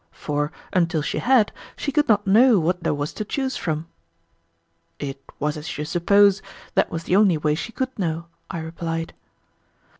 for, until she had, she could not know what there was to choose from." "It was as you suppose; that was the only way she could know," I replied.